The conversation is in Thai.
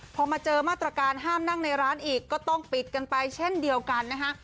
พอมาเจอมาตรการห้ามนั่งในร้านอีกก็ต้องปิดกันไปเช่นเดียวกันนะคะ